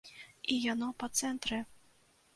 І яно па цэнтры!